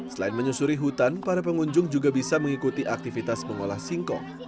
selain menyusuri hutan para pengunjung juga bisa mengikuti aktivitas mengolah singkong